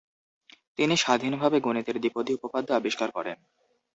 তিনি স্বাধীনভাবে গণিতের দ্বিপদী উপপাদ্য আবিষ্কার করেন।